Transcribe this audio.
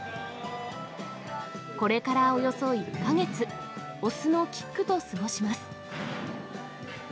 これからおよそ１か月、雄のキックと過ごします。